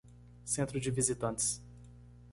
Centro de visitantes